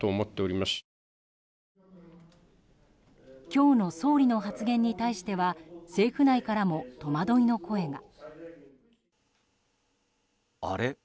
今日の総理の発言に対しては政府内からも戸惑いの声が。